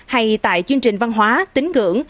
hay tại chương trình văn hóa tính ngưỡng